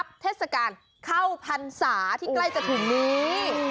เข้าพันศาที่ใกล้จะถึงนี้